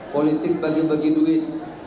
politik bagi bagi duit